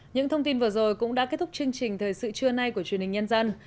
những thông tin vừa rồi cũng đã kết thúc chương trình thời sự trưa nay của truyền hình nhân dân